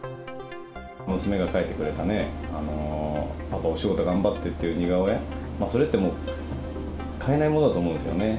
娘が描いてくれた、パパお仕事頑張ってっていう似顔絵、それってもう、買えないものだと思うんですよね。